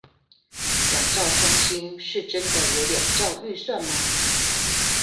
兩兆雙星是真的有兩兆預算嗎